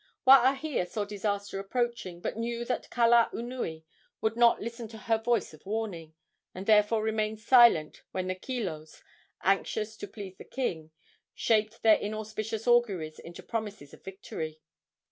Waahia saw disaster approaching, but knew that Kalaunui would not listen to her voice of warning, and therefore remained silent when the kilos, anxious to please the king, shaped their inauspicious auguries into promises of victory.